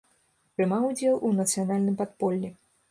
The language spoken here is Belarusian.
Прымаў удзел у нацыянальным падполлі.